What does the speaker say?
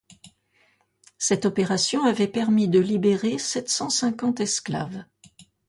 Cette opération avait permis de libérer sept-cent-cinquante esclaves.